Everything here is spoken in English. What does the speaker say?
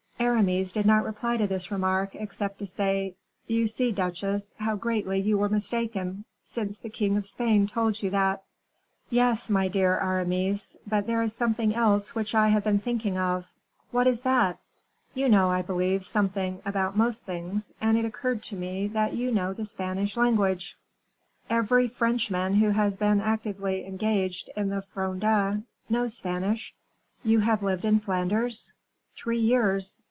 Aramis did not reply to this remark, except to say, "You see, duchesse, how greatly you were mistaken, since the king of Spain told you that." "Yes, my dear Aramis; but there was something else which I have been thinking of." "What is that?" "You know, I believe, something about most things, and it occurred to me that you know the Spanish language." "Every Frenchman who has been actively engaged in the Fronde knows Spanish." "You have lived in Flanders?" "Three years."